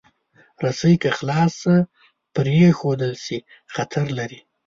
رسۍ که خلاصه پرېښودل شي، خطر لري.